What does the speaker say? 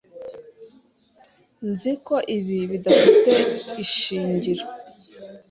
Nzi ko ibi bidafite ishingiro.